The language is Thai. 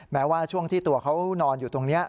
แม้ว่าช่วงที่ตัวเขานอนอยู่ตรงนี้